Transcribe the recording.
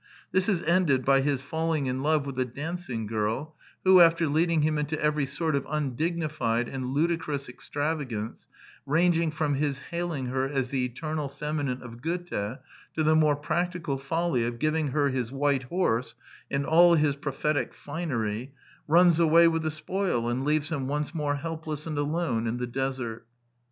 This is ended by his falling in love 58 The Quintessence of Ibsenism with a dancing girl, who, after leading him into every sort of undignified and ludicrous extrava gance, ranging from his hailing her as the Eternal Feminine of Goethe to the more practical folly of giving her his white horse and all his prophetic finery, runs away with the spoil, and leaves him once more helpless and alone in the desert.